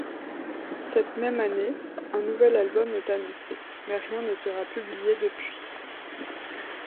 Cette même année, un nouvel album est annoncé, mais rien ne sera publié depuis.